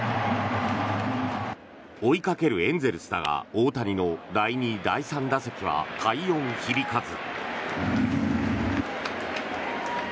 追いかけるエンゼルスだが大谷の第２、第３打席は快音響かず。